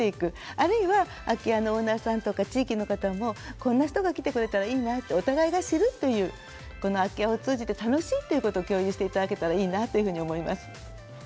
あるいは空き家のオーナーさんとか地域の方もこんな人が来てくれたらいいなとお互いが知るという空き家を通じて楽しいっていうことを共有していただければいいなと思います。